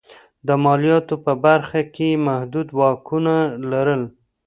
د مالیاتو په برخه کې یې محدود واکونه لرل.